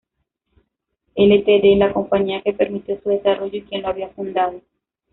Ltd., la compañía que permitió su desarrollo, y quien lo había fundado.